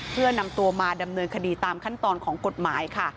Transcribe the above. เพื่อนำตัวมาดำเนินคดีตามขั้นตอนของกฎหมายค่ะ